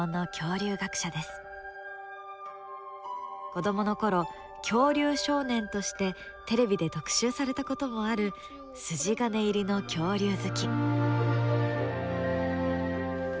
子どもの頃恐竜少年としてテレビで特集されたこともある筋金入りの恐竜好き。